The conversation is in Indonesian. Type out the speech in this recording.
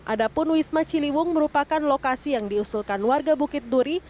adapun wisma ciliwung merupakan lokasi yang diusulkan warga bukit duri